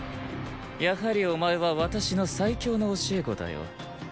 やはりお前は私の最強の教え子だよ。